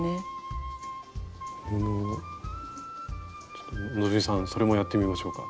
ちょっと希さんそれもやってみましょうか。